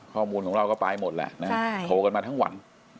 ข้อมูลของเราก็ไปหมดแหละนะโทรกันมาทั้งวัน